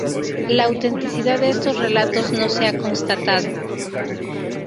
La autenticidad de estos relatos no se ha constatado.